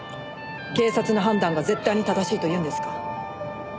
警察の判断が絶対に正しいと言うんですか？